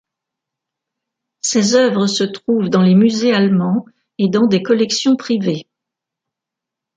Ses œuvres se trouvent dans les musées allemands et dans des collections privées.